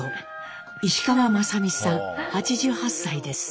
石川正美さん８８歳です。